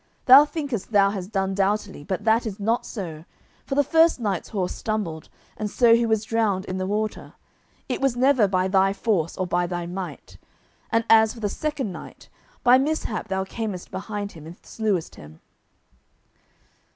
Thou thinkest thou hast done doughtily, but that is not so, for the first knight's horse stumbled, and so he was drowned in the water; it was never by thy force or by thy might. And as for the second knight, by mishap thou camest behind him and slewest him."